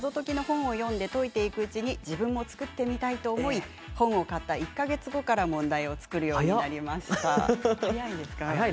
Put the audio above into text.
松丸さんの謎解きの本を読んで解いていくうちに自分も作ってみたいと思い本を買った１か月後から問題を作るようになりました。